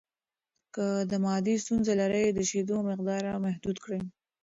که د معدې ستونزه لرئ، د شیدو مقدار محدود کړئ.